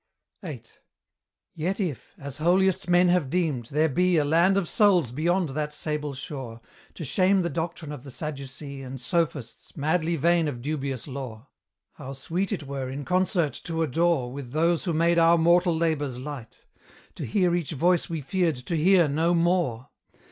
VIII. Yet if, as holiest men have deemed, there be A land of souls beyond that sable shore, To shame the doctrine of the Sadducee And sophists, madly vain of dubious lore; How sweet it were in concert to adore With those who made our mortal labours light! To hear each voice we feared to hear no more!